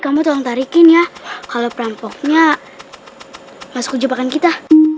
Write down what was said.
kamu tolong tarikin ya kalau perampoknya masuk ke jebakan kita